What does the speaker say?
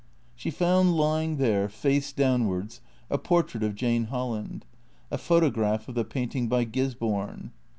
She found lying there, face downwards, a portrait of Jane Hol land, a photograph of the painting by Gisborne.